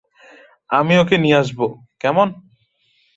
আমি ওকে নিয়ে আসবো, কেমন?